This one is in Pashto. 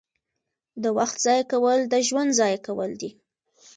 • د وخت ضایع کول ژوند ضایع کول دي.